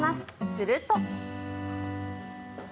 すると。